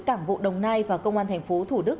cảng vụ đồng nai và công an thành phố thủ đức